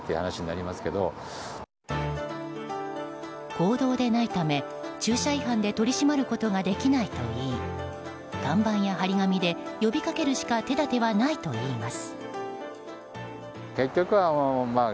公道でないため駐車違反で取り締まることができないといい看板や張り紙で呼びかけるしか手立てがないといいます。